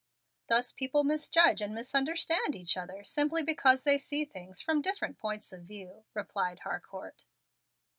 "Thus people misjudge and misunderstand each other, simply because they see things from different points of view," replied Harcourt.